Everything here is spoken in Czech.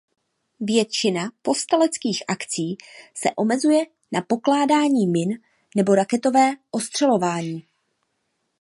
Většina povstaleckých akcí se omezuje na pokládání min nebo raketové ostřelování.